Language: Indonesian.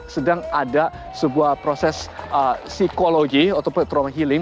sedang ada sebuah proses psikologi atau trauma healing